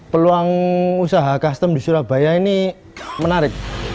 peluang usaha custom di surabaya ini menarik